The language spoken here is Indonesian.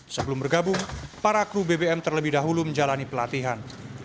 sebelum bergabung para kru bbm terlebih dahulu menjalani pelatihan